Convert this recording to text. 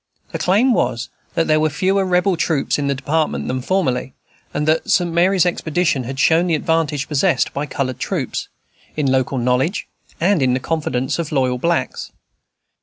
The claim was, that there were fewer rebel troops in the Department than formerly, and that the St. Mary's expedition had shown the advantage possessed by colored troops, in local knowledge, and in the confidence of the loyal blacks.